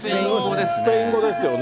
スペイン語ですね。